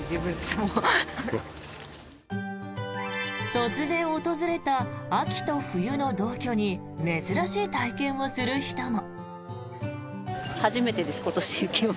突然訪れた秋と冬の同居に珍しい体験をする人も。